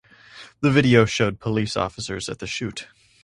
The video showed police officers at the shoot.